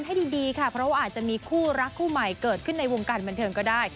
ให้ดีค่ะเพราะว่าอาจจะมีคู่รักคู่ใหม่เกิดขึ้นในวงการบันเทิงก็ได้